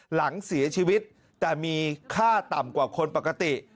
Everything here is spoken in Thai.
หลังเสียชีวิตแต่มีค่าต่ำกว่าคนปกติ